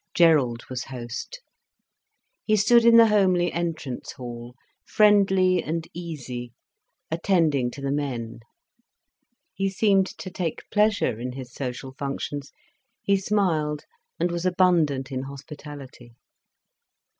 Gerald was host. He stood in the homely entrance hall, friendly and easy, attending to the men. He seemed to take pleasure in his social functions, he smiled, and was abundant in hospitality.